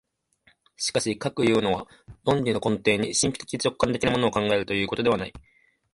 しかしかくいうのは、論理の根底に神秘的直観的なものを考えるということではない。